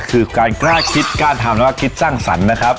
คือการกล้าคิดกล้าทำและว่าคิดสั้นนะครับ